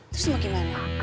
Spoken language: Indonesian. terus mau gimana